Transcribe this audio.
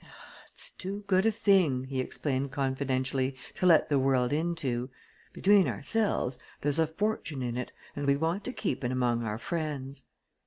"It's too good a thing," he explained confidentially, "to let the world into. Between ourselves, there's a fortune in it, and we want to keep it among our friends."